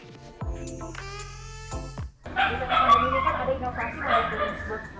atau pantai ditutup